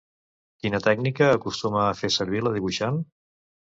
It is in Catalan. Quina tècnica acostuma a fer servir la dibuixant?